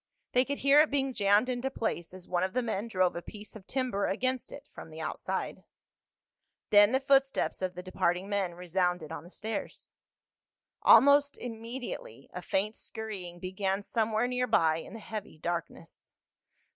They could hear it being jammed into place as one of the men drove a piece of timber against it from the outside. Then the footsteps of the departing men resounded on the stairs. Almost immediately a faint scurrying began somewhere near by in the heavy darkness.